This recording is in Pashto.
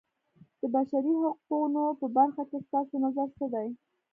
د بشري حقونو په برخه کې ستاسو نظر څه دی.